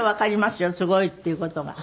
すごいっていう事が。